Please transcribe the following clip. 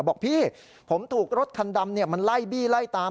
บอกพี่ผมถูกรถคันดำมันไล่บี้ไล่ตาม